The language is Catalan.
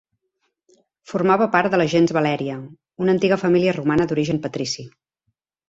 Formava part de la gens Valèria, una antiga família romana d'origen patrici.